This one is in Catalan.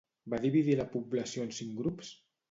Va dividir la població en cinc grups?